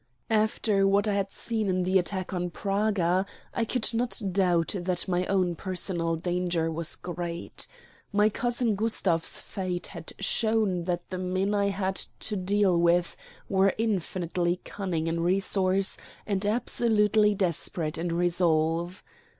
After what I had seen in the attack on Praga, I could not doubt that my own personal danger was great. My cousin Gustav's fate had shown that the men I had to deal with were infinitely cunning in resource and absolutely desperate in resolve.